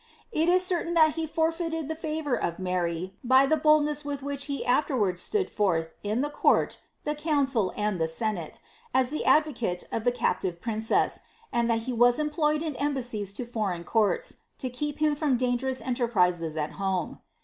It is certain thai he forfeited the favour of Mary, by the boldness with which he aAerwardt stood forth in the court, the council, and the senate, as the idrocale of the captive princess, and that he was employed in embassies to foreign courts, to keep him from dangerous enterprises at home.'